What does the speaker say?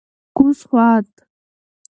کوز خوات: